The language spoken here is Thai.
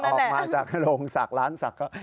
ออกมาจากโรงสักร้านสัก